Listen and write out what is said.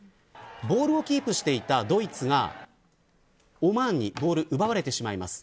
ボールをキープしていたドイツがオマーンにボールを奪われてしまいます。